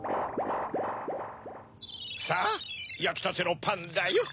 さぁやきたてのパンだよ。